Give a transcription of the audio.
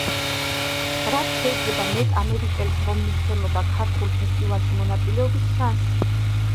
რაც შეიძლება მეტ ამერიკელს რომ მისცემოდა ქართულ ფესტივალში მონაწილეობის შანსი.